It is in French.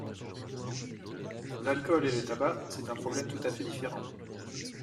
L’alcool et le tabac, c’est un problème tout à fait différent.